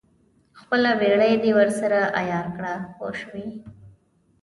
خپله بېړۍ دې ورسره عیاره کړه پوه شوې!.